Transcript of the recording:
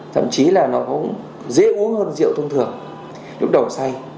thậm chí là nó cũng dễ uống hơn rượu thông thường lúc đầu say